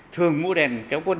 thường mua đèn cao quân